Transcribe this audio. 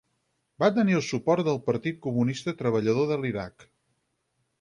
Va tenir el suport del Partit Comunista Treballador de l'Iraq.